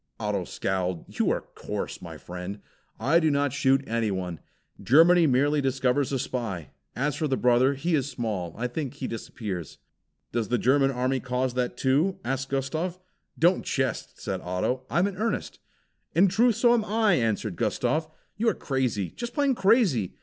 Otto scowled. "You are coarse, my friend," he said. "I do not shoot anyone. Germany merely destroys a spy. As for the brother, he is small, I think he disappears." "Does the German army cause that too?" asked Gustav. "Don't jest," said Otto. "I am in earnest." "In truth, so am I!" answered Gustav. "You are crazy, just plain crazy.